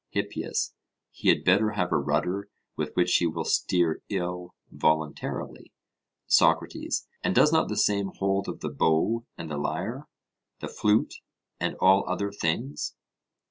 HIPPIAS: He had better have a rudder with which he will steer ill voluntarily. SOCRATES: And does not the same hold of the bow and the lyre, the flute and all other things?